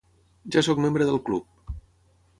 Ja soc membre del club.